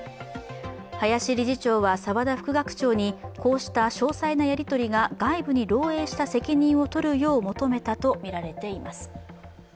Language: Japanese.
林理事長は澤田副学長にこうした詳細なやり取りが外部に漏えいした責任を取るよう求めたとみられています。